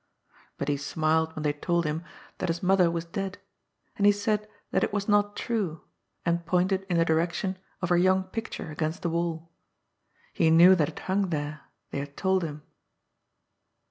But he smiled when they told him that his SHOWS THAT THE STORY, ETC. 13 mother was dead, and he said that it was not tme, and pointed in the direction of her young picture against the wall. He knew that it hung there ; they had told him.